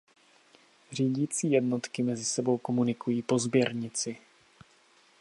Řídicí jednotky mezi sebou komunikují po sběrnici.